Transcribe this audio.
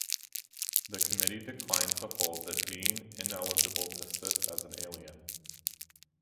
The Committee declined to hold that Dean ineligible to sit as an alien.